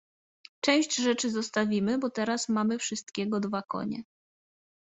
Część rzeczy zostawimy, bo teraz mamy wszystkiego dwa konie.